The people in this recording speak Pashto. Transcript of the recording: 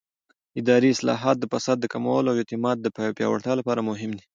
اداري اصلاحات د فساد د کمولو او اعتماد د پیاوړتیا لپاره مهم دي